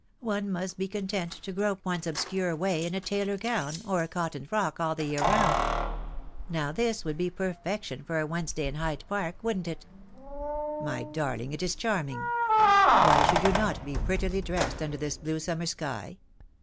One must be content to grope one's obscure way in a tailor gown or a cotton frock all the year round. Now this would be per fection for a Wednesday in Hyde Park, wouldn't it?" "My darling, it is charming. Why should you not be prettily dressed under this blue summer sky?